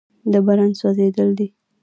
د برن سوځېدل دي.